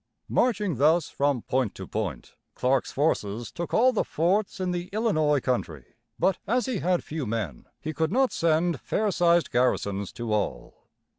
Marching thus from point to point, Clark's forces took all the forts in the Illinois country; but as he had few men, he could not send fair sized garrisons to all.